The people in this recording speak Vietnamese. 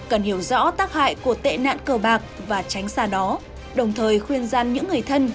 cần hiểu rõ tác hại của tệ nạn cờ bạc và tránh xa đó đồng thời khuyên gian những người thân